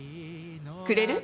くれる？